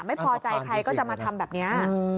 ไม่พอใจใครก็จะมาทำแบบนี้